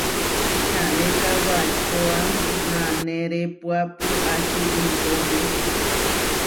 Čanéka wačóa nanerépuapu aʼčí intómia.